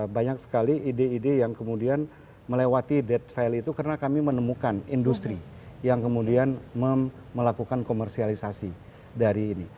banyak sekali ide ide yang kemudian melewati death value itu karena kami menemukan industri yang kemudian melakukan komersialisasi dari ini